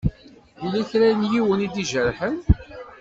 Yella kra n yiwen i d-ijerḥen?